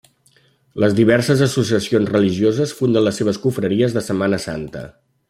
Les diverses associacions religioses funden les seves confraries de Setmana Santa.